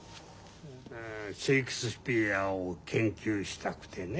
シェークスピアを研究したくてね。